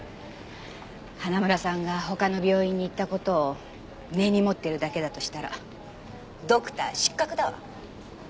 花村さんが他の病院に行った事を根に持ってるだけだとしたらドクター失格だわ！